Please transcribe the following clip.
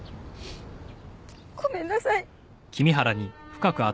ごめんなさい。